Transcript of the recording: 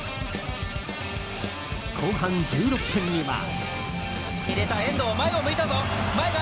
後半１６分には。